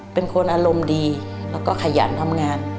เป็นคนอารมณ์ดีแล้วก็ขยันทำงาน